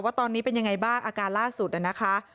ว่าตอนนี้เป็นยังไงบ้างอาการล่าสุดนะคะ